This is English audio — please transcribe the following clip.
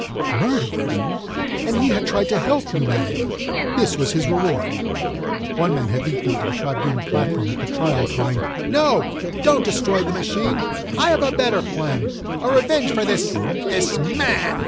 Murderer! And he had tried to help humanity. This was his reward. One man had leaped onto the tribunal platform at the trial, crying, "No! Don't destroy the machine! I have a better plan! A revenge for this—this man!"